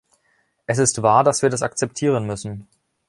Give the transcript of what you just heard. Es ist wahr, dass wir das akzeptieren müssen.